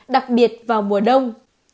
đặc biệt vào mùa đông